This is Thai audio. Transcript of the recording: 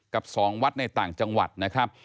กับ๒วัดในต่างจังหวัดนะครับ